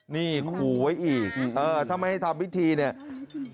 นี่ขู่ไว้อีกเออถ้าไม่ให้ทำพิธีเนี่ย